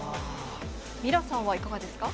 ミラさんはいかがですか。